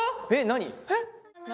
えっ何？